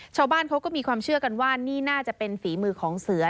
ชาวบ้านเขาก็มีความเชื่อกันว่านี่น่าจะเป็นฝีมือของเสือ